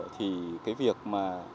thì cái việc mà